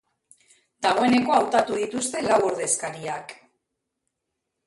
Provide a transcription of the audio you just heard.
Dagoeneko hautatu dituzte lau ordezkariak.